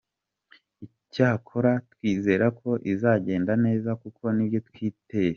Icyakora twizere ko izagenda neza kuko nibyo twiteye.”